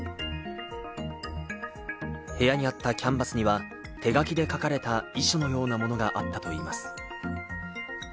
部屋にあったキャンバスには、手書きで書かれた遺書のようなものがあったといいます。